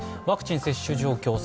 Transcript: ワクチン接種状況